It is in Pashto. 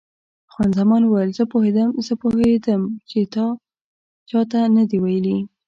خان زمان وویل: زه پوهېدم، زه پوهېدم چې تا چا ته نه دي ویلي.